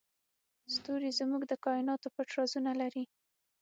ستوري زموږ د کایناتو پټ رازونه لري.